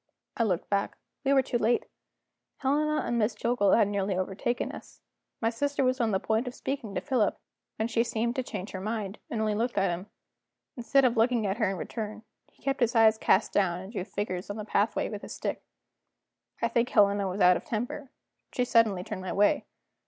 I looked back. We were too late; Helena and Miss Jillgall had nearly overtaken us. My sister was on the point of speaking to Philip, when she seemed to change her mind, and only looked at him. Instead of looking at her in return, he kept his eyes cast down and drew figures on the pathway with his stick. I think Helena was out of temper; she suddenly turned my way.